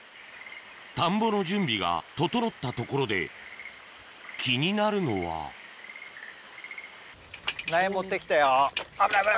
田んぼの準備が整ったところで気になるのは危ない危ない。